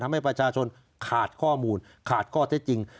ทำให้ประชาชนขาดข้อมูลขาดข้อเท็จจริง